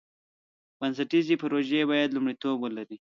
بنسټیزې پروژې باید لومړیتوب ولري.